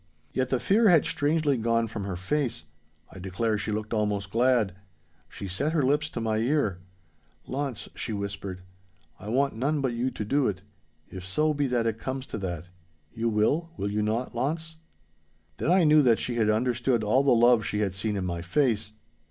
Yet the fear had strangely gone from her face. I declare she looked almost glad. She set her lips to my ear. 'Launce,' she whispered, 'I want none but you to do it—if so be that it comes to that. You will, will you not, Launce?' Then I knew that she had understood all the love she had seen in my face.